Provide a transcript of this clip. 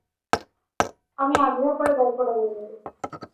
আমি আগ্রহ করে গল্পটা বলব।